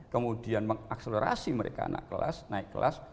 kemudian mengakselerasi mereka anak kelas naik kelas